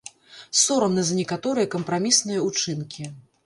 Сорамна за некаторыя кампрамісныя ўчынкі.